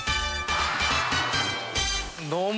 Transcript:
どうも。